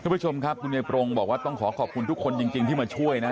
คุณผู้ชมครับคุณยายปรงบอกว่าต้องขอขอบคุณทุกคนจริงที่มาช่วยนะ